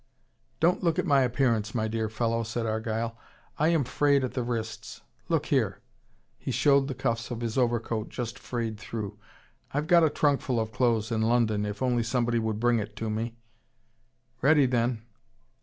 "Don't look at my appearance, my dear fellow," said Argyle. "I am frayed at the wrists look here!" He showed the cuffs of his overcoat, just frayed through. "I've got a trunkful of clothes in London, if only somebody would bring it out to me. Ready then!